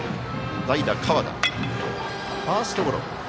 代打、河田、ファーストゴロ。